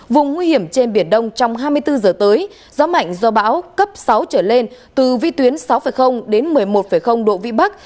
vùng nguy hiểm trên biển đông trong hai mươi bốn giờ tới gió mạnh do bão cấp sáu trở lên từ vi tuyến sáu đến một mươi một độ vĩ bắc